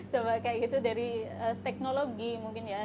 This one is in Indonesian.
coba kayak gitu dari teknologi mungkin ya